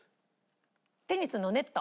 テニスのネット。